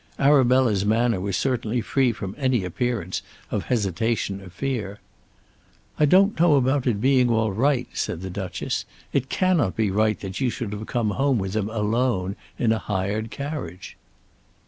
Arabella's manner was certainly free from any appearance of hesitation or fear. "I don't know about being all right," said the Duchess. "It cannot be right that you should have come home with him alone in a hired carriage."